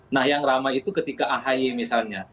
nah yang ramai itu ketika ahy misalnya